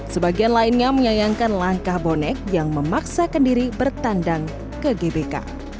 sebagian lainnya menyayangkan langkah bonek yang memaksakan diri bertandang ke gbk